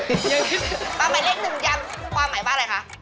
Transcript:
ตอนหมายเลข๑ยังความหมายเป็นอะไรคะ